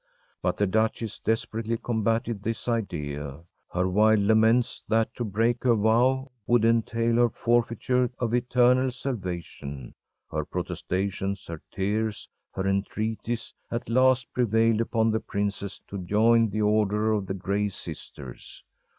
But the duchess desperately combated this idea. Her wild laments, that to break her vow would entail her forfeiture of eternal salvation, her protestations, her tears, her entreaties, at last prevailed upon the princess to join the Order of the Gray Sisters.